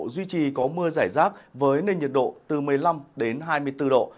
duy trì có mưa giải rác với nền nhiệt độ từ một mươi năm đến hai mươi bốn độ